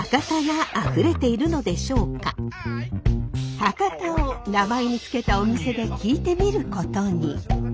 博多を名前に付けたお店で聞いてみることに。